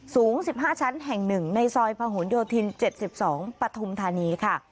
สูง๑๕ชั้นแห่ง๑ในซอยพะหนโยธิน๗๒ปฐุมธานีค่ะ